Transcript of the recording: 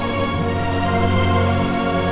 kamu sudah lihat apa di dalam ini